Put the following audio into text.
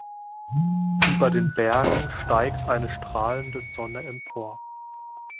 Über den Bergen steigt eine strahlende Sonne empor.